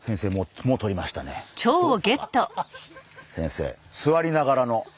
先生すわりながらの。